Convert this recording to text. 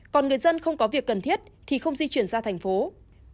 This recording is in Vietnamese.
còn người dân không có việc cần thiết thì không di chuyển ra tp hcm